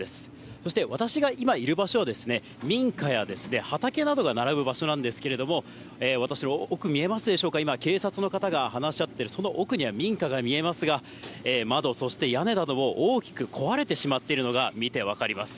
そして私が今いる場所は、民家や畑などが並ぶ場所なんですけれども、私の奥、見えますでしょうか、今、警察の方が話し合って、その奥には民家が見えますが、窓、そして屋根なども大きく壊れてしまっているのが見て分かります。